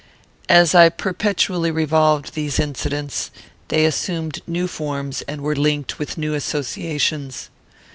"As I perpetually revolved these incidents, they assumed new forms, and were linked with new associations.